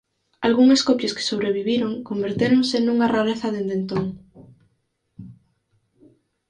Algunhas copias que sobreviviron convertéronse nunha rareza dende entón.